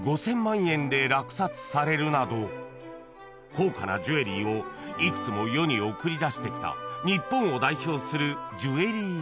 ［高価なジュエリーをいくつも世に送り出してきた日本を代表するジュエリーデザイナーです］